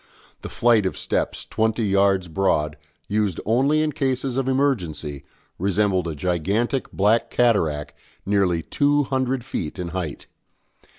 The flight of steps, twenty yards broad, used only in cases of emergency, resembled a gigantic black cataract nearly two hundred feet in height.